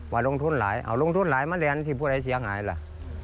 ว่าลงทุนหลายเออลงทุนหลายมันแลเหหีย้นที่พุทธไอ้เชียงหายแล